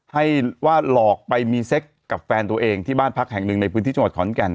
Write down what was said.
ให้ว่าหลอกไปมีเซ็กกับแฟนตัวเองที่บ้านพักแห่งหนึ่งในพื้นที่จังหวัดขอนแก่น